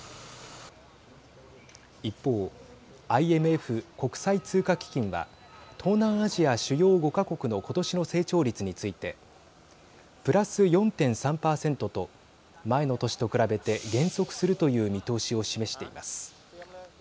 一方、ＩＭＦ＝国際通貨基金は東南アジア主要５か国の今年の成長率についてプラス４．３％と前の年と比べて減速するという見通しを示しています。